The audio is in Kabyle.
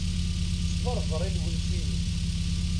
Sberber i lwens-inu.